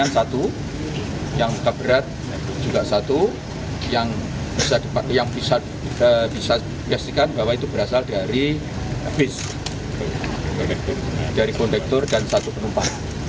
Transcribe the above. saya ingin memastikan bahwa itu berasal dari bus dari kondektor dan satu penumpang